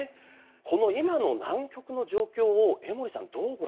この今の南極の状況を江守さんどうご覧になってますか？